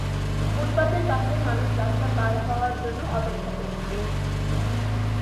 ফুটপাতের পাশে মানুষ রাস্তা পার হওয়ার জন্য অপেক্ষা করছে।